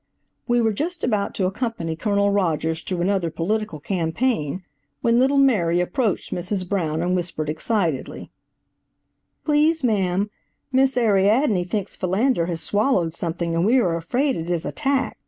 We were just about to accompany Colonel Rogers through another political campaign, when little Mary approached Mrs. Brown and whispered excitedly: "Please, ma'am, Miss Ariadne thinks Philander has swallowed something, and we are afraid it is a tack."